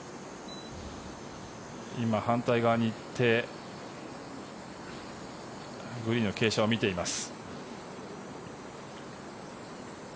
今、反対側に行ってグリーンの傾斜を見ています。